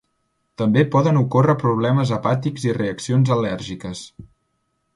També poden ocórrer problemes hepàtics i reaccions al·lèrgiques.